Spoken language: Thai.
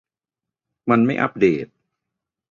มันไม่อัปเดต